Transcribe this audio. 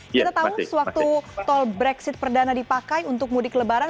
kita tahu sewaktu tol brexit perdana dipakai untuk mudik lebaran